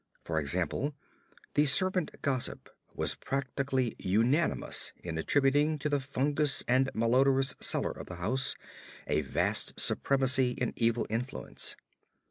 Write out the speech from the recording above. For example, the servant gossip was practically unanimous in attributing to the fungous and malodorous cellar of the house a vast supremacy in evil influence.